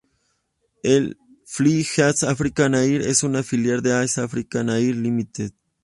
Fly East African Air es una filial de East African Air Limited.